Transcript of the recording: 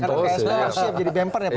karena psb harus siap jadi bemper ya pak